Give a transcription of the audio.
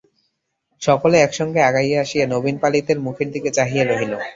সকলে একসঙ্গে আগাইয়া আসিয়া নবীন পালিতের মুখের দিকে চাহিয়া রহিল।